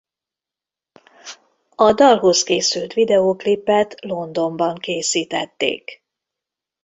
A dalhoz készült videoklipet Londonban készítették.